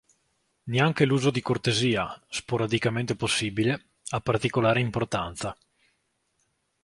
Neanche l'uso di cortesia, sporadicamente possibile, ha particolare importanza.